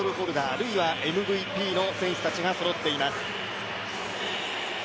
あるいはＭＶＰの選手たちがそろっています。